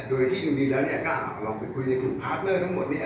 โดยที่จริงแล้วก็พูดคุยกับคุณพาตเนอร์ทั้งหมดเนี่ย